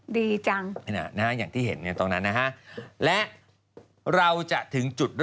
ดีจัง